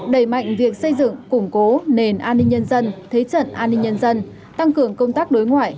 đẩy mạnh việc xây dựng củng cố nền an ninh nhân dân thế trận an ninh nhân dân tăng cường công tác đối ngoại